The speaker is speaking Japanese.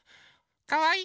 かわいい。